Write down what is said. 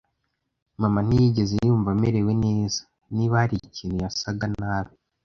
Mama ntiyigeze yumva amerewe neza. Niba hari ikintu, yasaga nabi.